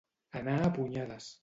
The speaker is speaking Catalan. Anar a punyades.